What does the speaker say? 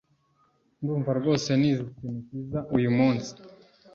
Ndumva rwose nize ikintu cyiza uyumunsi.